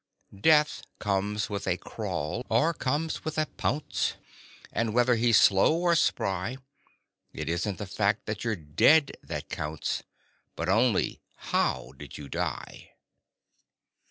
Death comes with a crawl, or comes with a pounce, And whether he's slow or spry, It isn't the fact that you're dead that counts, But only how did you die?